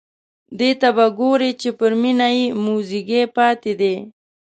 دې ته به ګوري چې پر مېنه یې موزیګی پاتې دی.